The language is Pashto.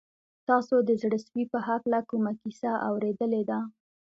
تاسو د زړه سوي په هکله کومه کیسه اورېدلې ده؟